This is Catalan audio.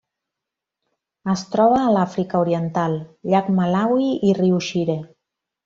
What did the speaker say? Es troba a l'Àfrica Oriental: llac Malawi i riu Shire.